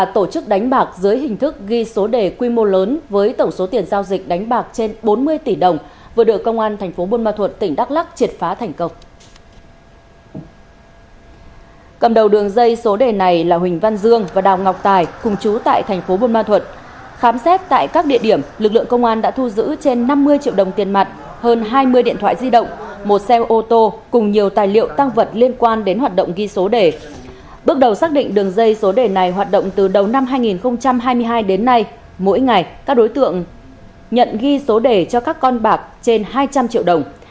từ đầu năm hai nghìn hai mươi hai đến nay mỗi ngày các đối tượng nhận ghi số đề cho các con bạc trên hai trăm linh triệu đồng